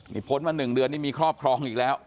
นี่พ้นมา๑เดือนนี่มีครอบครองอีกแล้ว